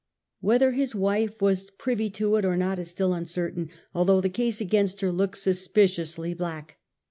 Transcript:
Whether his wife was privy to it or not is still uncertain, although the case against her looks suspiciously black.